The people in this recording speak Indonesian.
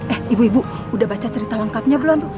eh ibu ibu udah baca cerita lengkapnya belum